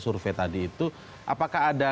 survei tadi itu apakah ada